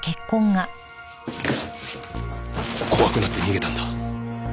怖くなって逃げたんだ。